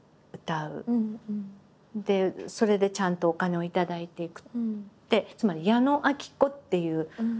それでちゃんとお金を頂いていく。